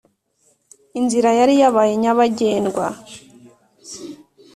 !Inzira yari yabaye Nyabagendwa